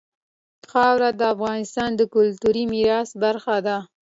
خاوره د افغانستان د کلتوري میراث برخه ده.